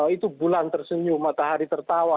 itu bulan tersenyum matahari tertawa